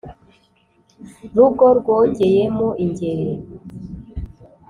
Rugo rwogeyemo Ingeri,